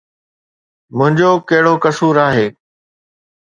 منهنجو ڪهڙو قصور آهي؟